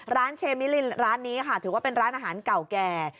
เชมิลินร้านนี้ค่ะถือว่าเป็นร้านอาหารเก่าแก่